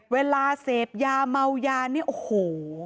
เวลาเสพยาเมายานี่โอ้โห